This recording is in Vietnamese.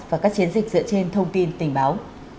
và các chiến dịch dựa trên thông tin tình báo